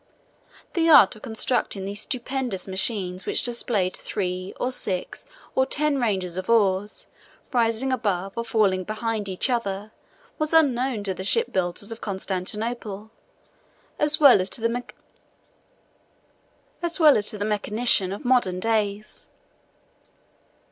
The art of constructing those stupendous machines which displayed three, or six, or ten, ranges of oars, rising above, or falling behind, each other, was unknown to the ship builders of Constantinople, as well as to the mechanicians of modern days.